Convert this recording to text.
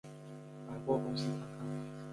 百货公司看看